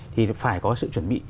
thì phải có sự chuẩn bị